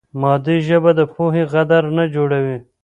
مادي ژبه د پوهې غدر نه جوړوي.